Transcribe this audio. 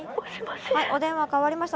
はいお電話代わりました。